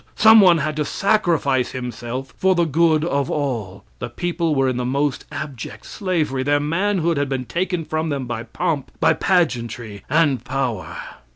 Some one had to sacrifice himself for the good of all. The people were in the most abject slavery; their manhood had been taken from them by pomp, by pageantry, and power.